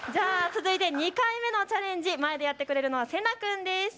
続いて２回目のチャレンジ、前でやってくれるのは世那君です。